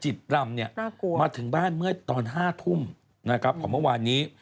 จิตรำเนี่ยมาถึงบ้านเมื่อตอน๕ทุ่มของเมื่อวานนี้